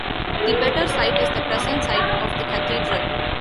The "better site" is the present site of the Cathedral.